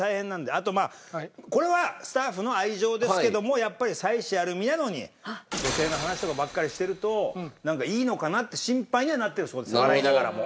あとまあこれはスタッフの愛情ですけどもやっぱり妻子ある身なのに女性の話とかばっかりしてるとなんかいいのかなって心配にはなってるそうです笑いながらも。